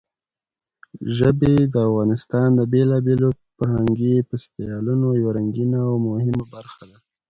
ژبې د افغانستان د بېلابېلو فرهنګي فستیوالونو یوه رنګینه او مهمه برخه ده.